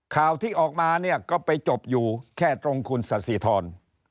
ข่าวที่ออกมาก็ไปจบอยู่แค่ตรงคุณสศิษฐาน